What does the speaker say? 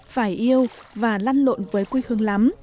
phải yêu và lanh lộn với quê hương lắm